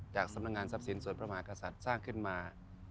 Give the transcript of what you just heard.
สำนักงานทรัพย์สินส่วนพระมหากษัตริย์สร้างขึ้นมา